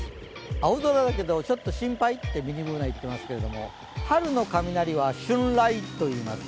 青空だけどちょっと心配ってミニＢｏｏｎａ、言ってますけど、春の雷は春雷といいます。